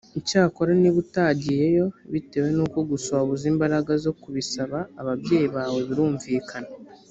icyakora niba utagiyeyo bitewe nuko gusa wabuze imbaraga zo kubisaba ababyeyi bawe birumvikana